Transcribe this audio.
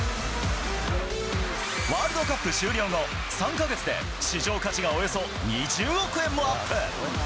ワールドカップ終了後、３か月で市場価値がおよそ２０億円もアップ。